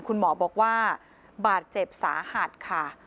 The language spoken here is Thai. คุณหมอบอกว่าบาดเจ็บสาหัสค่ะ